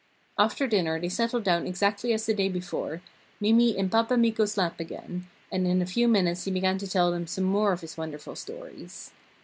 After dinner they settled down exactly as the day before, Mimi in 'Pappa' Mikko's lap again, and in a few minutes he began to tell them some more of his wonderful stories.